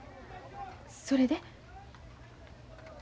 それで？